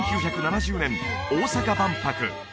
１９７０年大阪万博